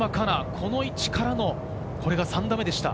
この位置からの３打目でした。